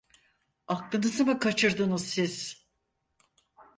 Aklınızı mı kaçırdınız siz?